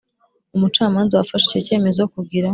Umucamanza wafashe icyo cyemezo kugira